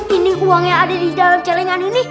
ini uang yang ada di dalam celengan ini